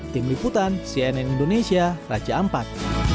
tim liputan cnn indonesia raja ampat